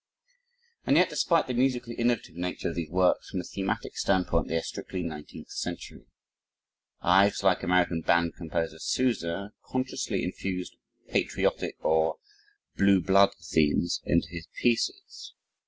And yet, despite the musically innovative nature of these works, from a thematic standpoint, they are strictly 19th century. Ives, like American band composer Sousa, consciously infused patriotic or "blue blood" themes into his pieces.